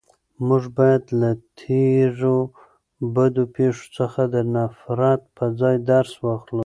موږ باید له تېرو بدو پېښو څخه د نفرت په ځای درس واخلو.